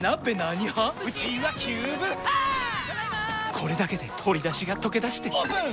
これだけで鶏だしがとけだしてオープン！